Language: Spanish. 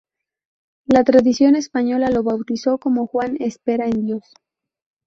La tradición española lo bautizó como "Juan Espera en Dios".